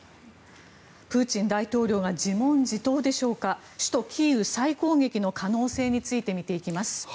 プーチン大統領が自問自答でしょうか首都キーウ再攻撃の可能性について見ていきます。